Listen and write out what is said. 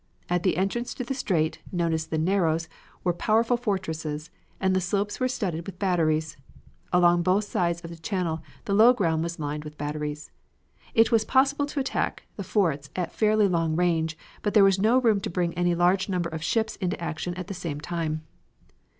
At the entrance to the strait, known as the Narrows, were powerful fortresses, and the slopes were studded with batteries. Along both sides of the channel the low ground was lined with batteries. It was possible to attack the forts at fairly long range, but there was no room to bring any large number of ships into action at the same time.